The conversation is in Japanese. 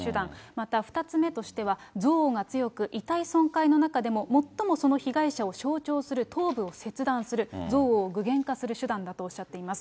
また２つ目としては憎悪が強く、遺体損壊の中でも最もその被害者を象徴する頭部を切断する、憎悪を具現化する手段だとおっしゃっています。